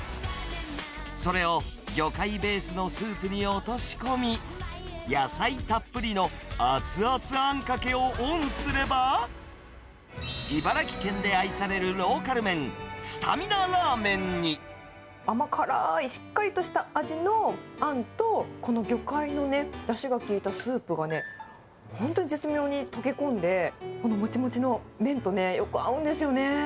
それを魚介ベースのスープに落とし込み、野菜たっぷりの熱々あんかけをオンすれば、茨城県で愛されるロー甘辛ーい、しっかりとした味のあんと、この魚介のね、だしがきいたスープがね、本当に絶妙に溶け込んで、このもちもちの麺とね、よく合うんですよね。